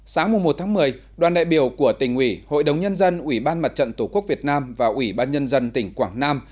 sáng một một mươi đoàn đại biểu của tỉnh ủy hội đồng nhân dân ủy ban mặt trận tổ quốc việt nam và ủy ban nhân dân tỉnh quảng nam